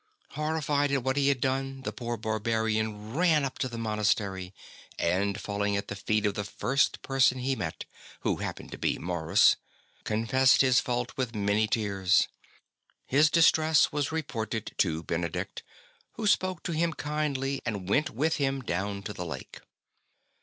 Horrified at what he had done, the poor barbarian ran up to the monastery, and falling at the feet of the first person he met, who happened to be Maurus, confessed his fault with many tears. His distress was reported to Benedict, who spoke to him kindly and went with him down to the lake.